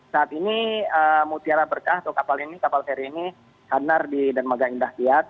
saat ini mutiara berkah atau kapal ini kapal feri ini hanar di dermaga indah kiat